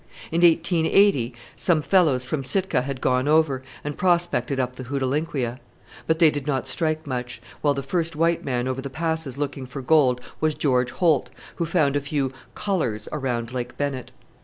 In 1880 some fellows from Sitka had gone over, and prospected up the Hootalinquia; but they did not strike much; while the first white man over the Passes looking for gold was George Holt, who found a few "colours" around Lake Bennett.